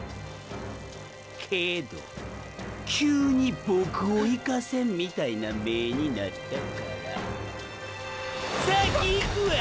けど急に“ボクを行かせん”みたいな目になったからァハッハッ！